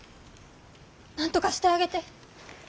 なんとかしてあげて。